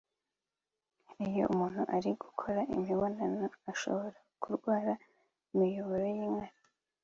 Iyo umuntu ari gukora imibonano ashobora kurwara imiyoboro y’inkari